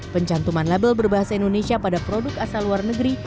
pencantuman label berbahasa indonesia pada produk asal luar negeri